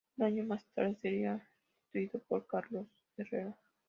Un año más tarde sería sustituido por Carlos Herrera.